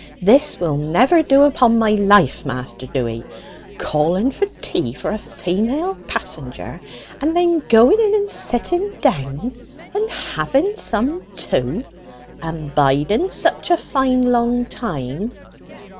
"This will never do, upon my life, Master Dewy! calling for tay for a feymel passenger, and then going in and sitting down and having some too, and biding such a fine long time!"